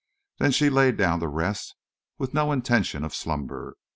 Then she lay down to rest, with no intention of slumber.